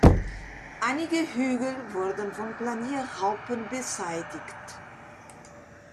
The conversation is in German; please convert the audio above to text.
Einige Hügel wurden von Planierraupen beseitigt.